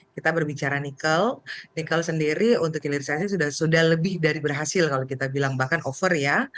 kita berbicara nikel nikel sendiri untuk hilirisasi sudah lebih dari berhasil kalau kita bilang bahkan over ya